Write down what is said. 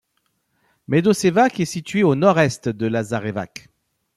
Medoševac est situé au nord-est de Lazarevac.